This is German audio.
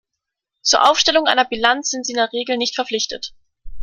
Zur Aufstellung einer Bilanz sind sie in der Regel nicht verpflichtet.